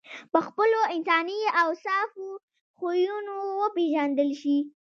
په خپلو انساني اوصافو او خویونو وپېژندل شې.